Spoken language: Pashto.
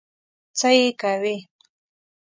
څه یې کوې؟